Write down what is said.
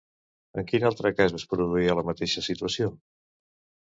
En quin altre cas es produïa la mateixa situació?